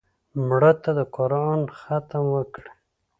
مړه ته د قرآن ختم وکړې